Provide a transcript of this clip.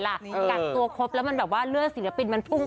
ราศน่าบรรชาดมารยาทิสองคู่